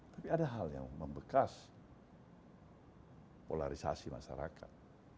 tapi ada hal yang membekas polarisasi masyarakat